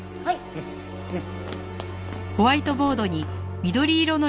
うんうん。